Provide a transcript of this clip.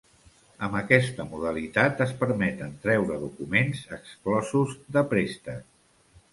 Amb aquesta modalitat es permeten treure documents exclosos de préstec.